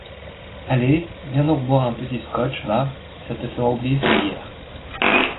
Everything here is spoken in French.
Allez, viens donc boire un petit scotch va, ça te fera oublier ceux d'hier.